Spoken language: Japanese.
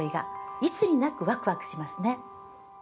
いつになくワクワクしますね。